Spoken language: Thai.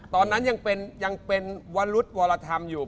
ตอนนั้นยังเป็นยังเป็นวรุธวรธรรมอยู่